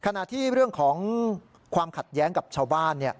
ขณะที่เรื่องของความขัดแย้งกับชาวบ้าน